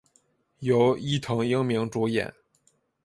由伊藤英明主演。